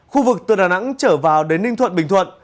khu vực từ đà nẵng trở vào đến ninh thuận bình thuận